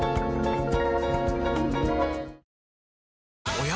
おや？